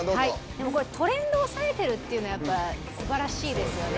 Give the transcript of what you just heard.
でも、これ、トレンドを押さえてるっていうのが、やっぱすばらしいですよね。